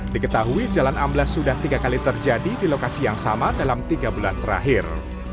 diketahui jalan amblas sudah tiga kali terjadi di lokasi yang sama dalam tiga bulan terakhir